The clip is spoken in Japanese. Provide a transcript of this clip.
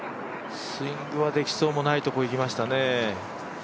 スイングはできそうもないところにいきましたね。